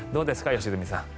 良純さん。